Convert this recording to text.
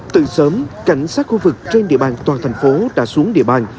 từ sớm cảnh sát khu vực trên địa bàn toàn thành phố đã xuống địa bàn